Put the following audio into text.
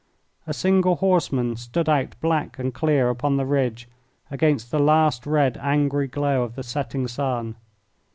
A single horseman stood out black and clear upon the ridge against the last red angry glow of the setting sun.